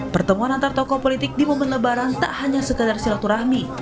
pertemuan antar tokoh politik di momen lebaran tak hanya sekedar silaturahmi